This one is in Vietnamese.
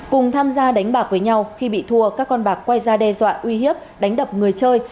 cùng tham gia đánh bạc với nhau khi bị thua các con bạc quay ra đe dọa uy hiếp đánh đập người chơi